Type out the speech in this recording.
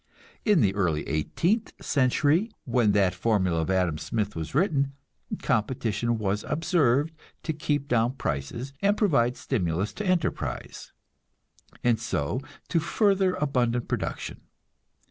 In the early eighteenth century, when that formula of Adam Smith was written, competition was observed to keep down prices and provide stimulus to enterprise, and so to further abundant production.